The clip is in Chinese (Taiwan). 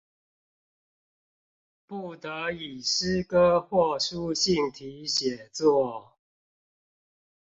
不得以詩歌或書信體寫作